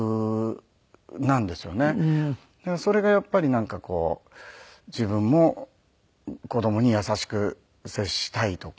それがやっぱりなんかこう自分も子供に優しく接したいとかそういう。